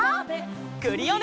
クリオネ！